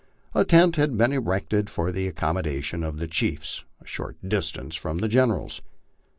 A tent had been erected for the accommodation of the chiefs a short distance from the General's.